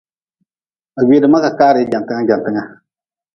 Ba gwedma kakaari jantnga jantnga.